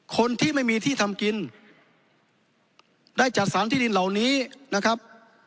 คนที่ไม่มีที่ทำกินได้จัดสรรที่ดินเหล่านี้นะครับ